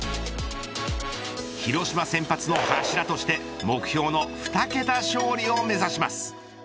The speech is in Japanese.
広島先発の柱として目標のふた桁勝利を目指します。